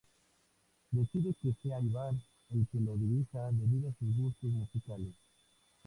Decide que sea Iván el que lo dirija debido a sus gustos musicales.